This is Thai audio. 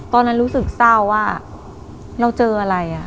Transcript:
ตอนนั้นรู้สึกเศร้าว่าเราเจออะไร